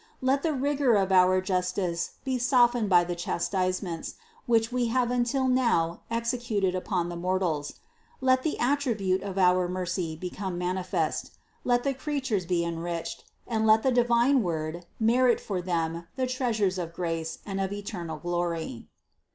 Let the rigor of our justice be softened by the chastisements, which We have until now executed upon the mortals; let the attribute of our mercy become manifest; let the creatures be enriched, and let the divine Word merit for them the treasures of grace and of eternal glory."